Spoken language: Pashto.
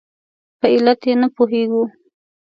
په علت یې نه پوهېږو.